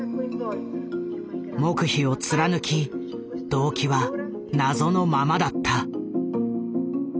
黙秘を貫き動機は謎のままだった。